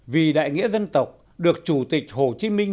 vì đại nghĩa dân tộc được chủ tịch hồ chí minh